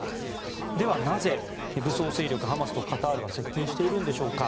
では、なぜ武装勢力ハマスとカタールは接近しているんでしょうか。